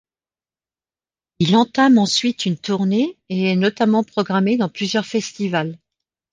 Il entame ensuite une tournée et est notamment programmé dans plusieurs festivals.